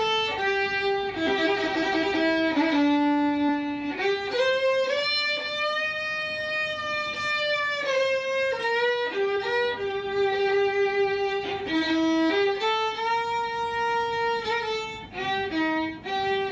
เพื่อให้มีการแชร์ไปในสังคมออนไลน์เป็นจำนวนมากค่ะ